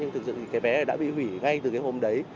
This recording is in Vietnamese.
thì cái vé đã bị hủy ngay từ cái hôm đấy